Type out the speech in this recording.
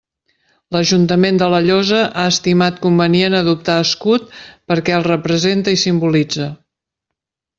L'Ajuntament de la Llosa ha estimat convenient adoptar escut perquè el represente i simbolitze.